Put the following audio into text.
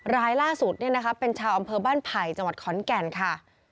รายล่าสุดเป็นชาวอำเภอบ้านไผ่จังหวัดขอนแก่นค่ะ